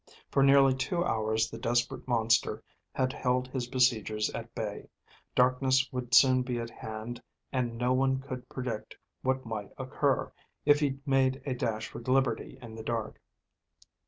For nearly two hours the desperate monster had held his besiegers at bay, darkness would soon be at hand and no one could predict what might occur if he made a dash for liberty in the dark.